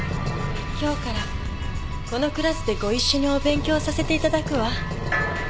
今日からこのクラスでご一緒にお勉強させていただくわ。